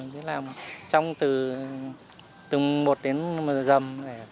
thì làm trong từ một đến dầm